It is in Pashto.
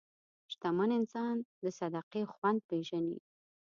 شتمن انسان د صدقې خوند پېژني.